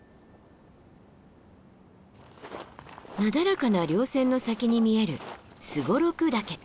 なだらかな稜線の先に見える双六岳。